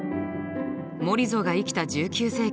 モリゾが生きた１９世紀。